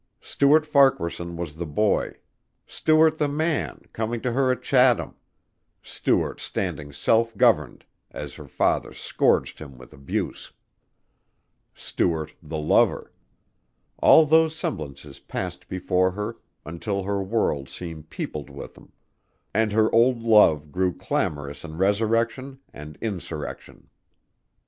Stuart Farquaharson the boy; Stuart the man, coming to her at Chatham; Stuart standing self governed as her father scourged him with abuse; Stuart the lover; all those semblances passed before her until her world seemed peopled with them, and her old love grew clamorous in resurrection and insurrection.